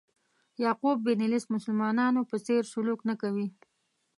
یعقوب بن لیث مسلمانانو په څېر سلوک نه کوي.